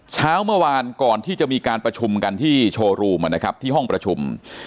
เช้าเมื่อวานก่อนที่จะมีการประชุมกันที่โชว์รูมนะครับที่ห้องประชุม